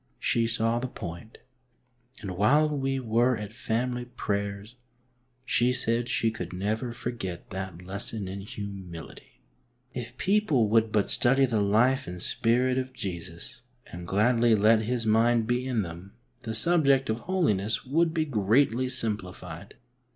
She saw the point, and while we were at family prayers, she said she could never forget that lesson in humility. If people would but study the life and spirit of Jesus, and gladly let His mind be in them, the subject of holiness would be greatly simplified.